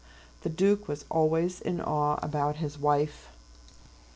The Duke was always in awe about his wife.